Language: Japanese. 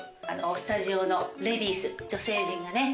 スタジオのレディース女性陣がね